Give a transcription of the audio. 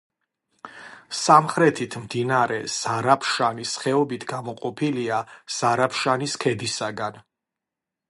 სამხრეთით მდინარე ზარაფშანის ხეობით გამოყოფილია ზარაფშანის ქედისაგან.